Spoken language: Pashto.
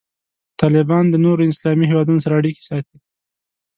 طالبان د نورو اسلامي هیوادونو سره اړیکې ساتي.